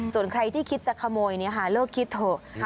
ส่วนใครที่คิดจะขโมยเลิกคิดเถอะ